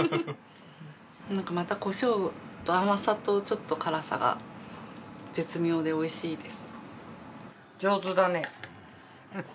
なんかまたコショウと甘さとちょっと辛さが絶妙で美味しいです。